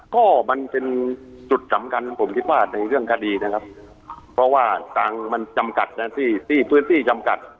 ก็มันเป็นจุดสำคัญผมคิดว่าในเรื่องคดีนะครับเพราะว่าตัวเน็ตที่จำกัด